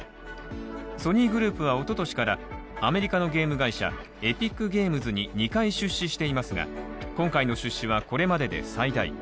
ソニーグループはおととしからアメリカのゲーム会社エピックゲームズに２回出資していますが今回の出資はこれまでで最大。